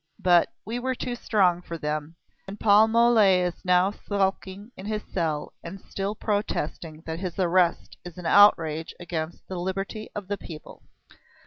But we were too strong for them, and Paul Mole is now sulking in his cell and still protesting that his arrest is an outrage against the liberty of the people."